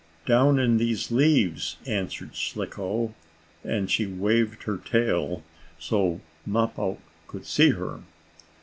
"Down in these leaves," answered Slicko, and she waved her tail, so Mappo could see her.